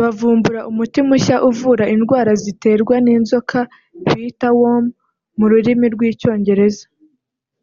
bavumbura umuti mushya uvura indwara ziterwa n’inzoka bita “worm” mu rurimi rw’Icyongereza